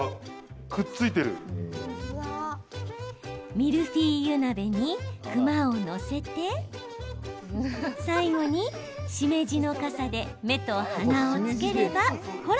ミルフィーユ鍋に熊を載せて最後に、しめじのかさで目と鼻をつければほら！